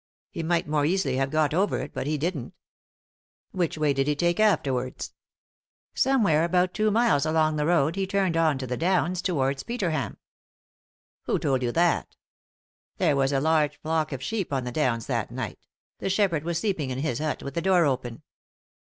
He might more easily have got over it, but he didn't" "Which way did he take afterwards ?" "Somewhere about two miles along the road he turned on to the downs towards Peterham." " Who told you that ?" "There was a large flock of sheep on the downs that night ; the shepherd was sleeping in his hut with the door open.